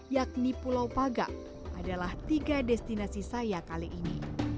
yakni pulau pagang adalah tiga destinasi saya kali ini